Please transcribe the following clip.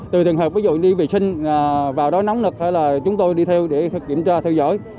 từ thường hợp ví dụ đi vệ sinh vào đó nóng lực hay là chúng tôi đi theo để kiểm tra theo dõi